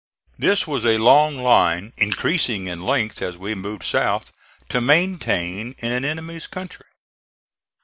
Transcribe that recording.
This was a long line (increasing in length as we moved south) to maintain in an enemy's country.